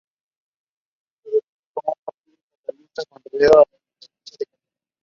Se define como un partido catalanista contrario a la independencia de Cataluña.